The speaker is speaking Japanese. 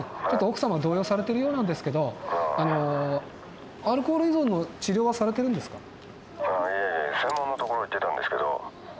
ちょっと奥様動揺されてるようなんですけどアルコール依存の治療はされてるんですか？